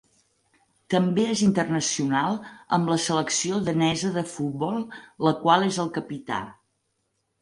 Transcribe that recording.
També és internacional amb la selecció danesa de futbol, la qual és el capità.